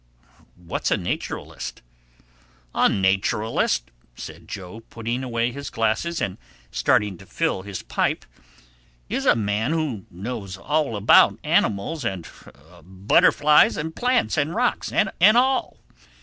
"What's a nacheralist?" "A nacheralist," said Joe, putting away his glasses and starting to fill his pipe, "is a man who knows all about animals and butterflies and plants and rocks an' all.